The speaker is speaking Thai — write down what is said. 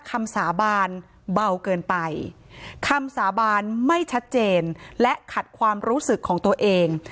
คำสาบานเบาเกินไปคำสาบานไม่ชัดเจนและขัดความรู้สึกของตัวเอง